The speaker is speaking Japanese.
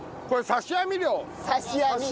刺し網漁。